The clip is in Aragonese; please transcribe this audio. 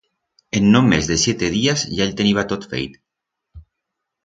En no mes de siete días ya el teniba tot feit.